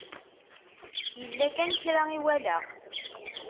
Yella kan kra i walaɣ.